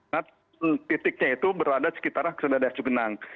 nah titiknya itu berada sekitaran keseluruhan cugenang